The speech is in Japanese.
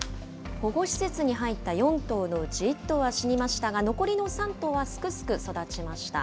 保護施設に入った４頭のうち１頭は死にましたが、残りの３頭はすくすく育ちました。